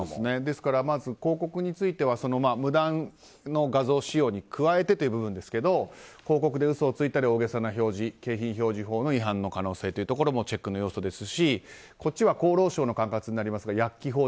まず広告については無断画像使用に加えてという部分ですが広告で嘘をついたり大げさな表示は景品表示法の違反の可能性というのもチェックの要素ですしこっちは厚労省管轄ですが薬機法。